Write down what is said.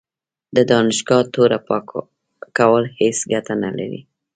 د دانشګاه توره پاکول هیڅ ګټه نه لري.